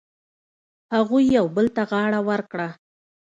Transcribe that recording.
هغوی یو بل ته غاړه ورکړه.